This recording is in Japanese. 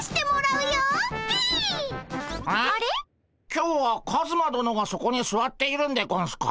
今日はカズマどのがそこにすわっているんでゴンスか？